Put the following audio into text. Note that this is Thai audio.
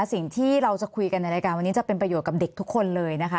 สิ่งที่เราจะคุยกันในรายการวันนี้จะเป็นประโยชน์กับเด็กทุกคนเลยนะคะ